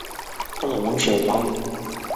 因其地位于南侧设立隘寮而得名。